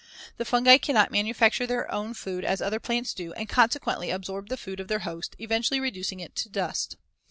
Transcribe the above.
The fungi cannot manufacture their own food as other plants do and consequently absorb the food of their host, eventually reducing it to dust.